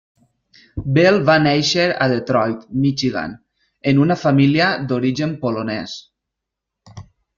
Bell va néixer a Detroit, Michigan, en una família d'origen polonès.